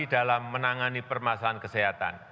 dalam menangani permasalahan kesehatan